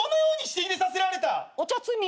お茶摘み。